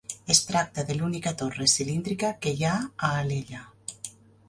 Es tracta de l'única torre cilíndrica que hi ha a Alella.